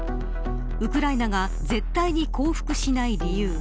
ウクライナが絶対に降伏しない理由